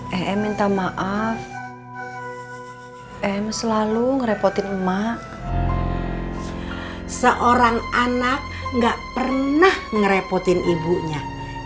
hai eh minta maaf m selalu ngerepotin emak seorang anak nggak pernah ngerepotin ibunya